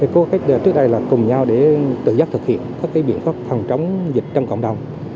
có cách trước đây là cùng nhau để tự giác thực hiện các biện pháp phòng chống dịch trong cộng đồng